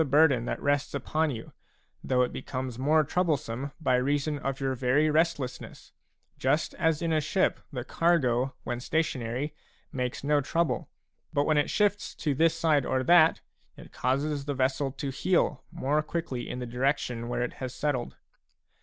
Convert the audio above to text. burden that rests upon you, though it becomes more troublesome by reason of your very restlessness, just as in a ship the cargo when stationary makes no trouble, but when it shifts to this side or that, it causes the vessel to heel more quickly in the direc tion where it has settled.